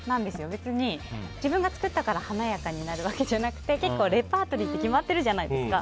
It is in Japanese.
別に自分が作ったから華やかになるわけじゃなくて結構レパートリーって決まってるじゃないですか。